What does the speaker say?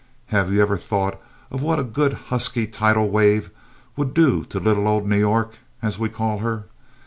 Have you ever thought of what a good, husky tidal wave would do to 'Little Old New York,' as we call her?